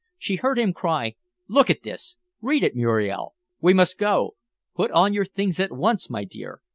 She heard him cry: "Look at this! Read it, Muriel. We must go. Put on your things at once, my dear.